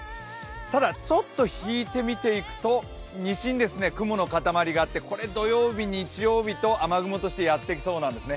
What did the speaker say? ただ、ちょっと引いて見ていくと西に雲のかたまりがあってこれ土曜日、日曜日と雨雲としてやってきそうなんですね。